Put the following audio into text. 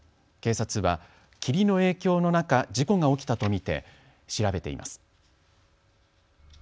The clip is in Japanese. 警察は、霧の影響の中、事故が起きたと見て調べています。